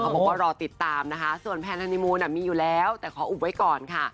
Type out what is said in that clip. บอกว่ารอติดตามนะคะส่วนแพนฮานิมูลมีอยู่แล้วแต่ขออุบไว้ก่อนค่ะ